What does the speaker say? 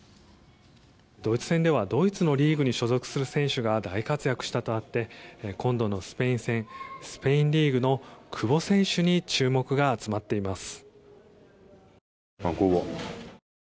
ドイツ戦ではドイツのリーグに所属する日本選手が大活躍したとあって今度のスペイン戦スペインリーグの久保選手に注目が集まっています。